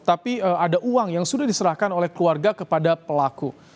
tapi ada uang yang sudah diserahkan oleh keluarga kepada pelaku